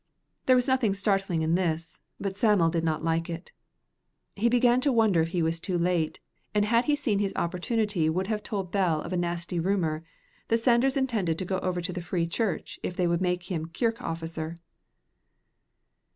There was nothing startling in this, but Sam'l did not like it. He began to wonder if he was too late, and had he seen his opportunity would have told Bell of a nasty rumor, that Sanders intended to go over to the Free Church if they would make him kirk officer.